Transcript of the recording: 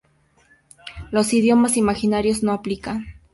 Los idiomas imaginarios no aplican.